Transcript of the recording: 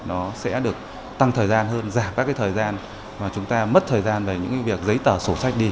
nó sẽ được tăng thời gian hơn giảm các thời gian mà chúng ta mất thời gian về những việc giấy tờ sổ sách đi